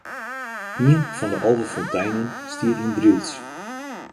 Ien fan de alve fonteinen stiet yn Drylts.